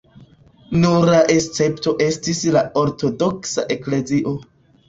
Nura escepto estis la ortodoksa eklezio.